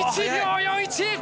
１秒４１。